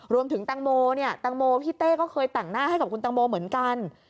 รวมถึงตังโมตังโมพี่เต้ก็เคยแต่งหน้าให้กับคุณตังโมเหมือนกัน